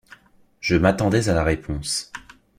Je m’attendais à la réponse.